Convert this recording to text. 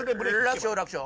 楽勝楽勝